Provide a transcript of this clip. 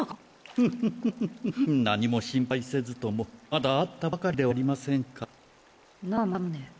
フフフフフ何も心配せずともまだ会ったばかりではありませんか。なぁマタムネ。